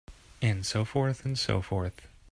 And so forth and so forth.